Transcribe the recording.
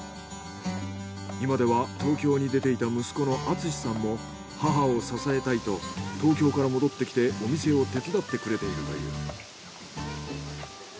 今では東京に出ていた息子の敦之さんも母を支えたいと東京から戻ってきてお店を手伝ってくれているという。